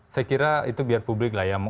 saya kira itu biar publik lah ya